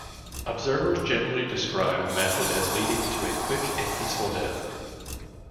Observers generally describe the method as leading to a quick and peaceful death.